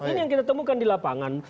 ini yang kita temukan di lapangan